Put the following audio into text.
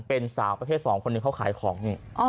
เป็นสาวประเภท๒คนหนึ่งเขาขายของนี่